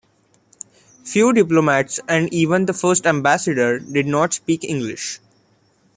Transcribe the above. Few diplomats, and even the first ambassador did not speak English.